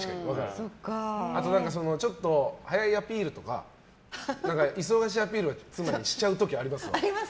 あとちょっと早いアピールとか忙しいアピールを妻にしちゃう時あります。